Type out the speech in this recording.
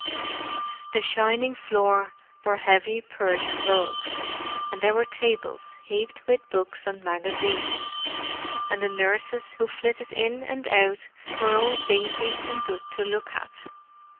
The shining floor bore heavy Persian rugs, and there were tables heaped with books and magazines; and the nurses who flitted in and out were all dainty and good to look at.